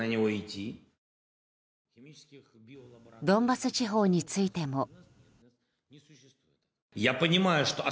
ドンバス地方についても。